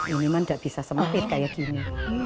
ini mah nggak bisa sempit kayak gini